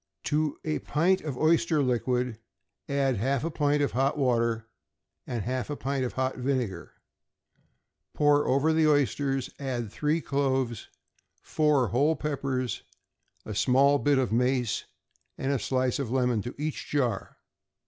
To a pint of oyster liquor, add half a pint of hot water and half a pint of hot vinegar; pour over the oysters; add three cloves, four whole peppers, a small bit of mace, and a slice of lemon, to each jar.